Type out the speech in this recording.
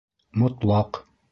Мотлаҡ